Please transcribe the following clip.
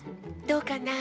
どうかな？